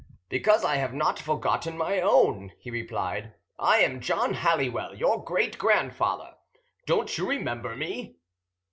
"Because I have not forgotten my own," he replied. "I am John Halliwell, your great grandfather. Don't you remember me?"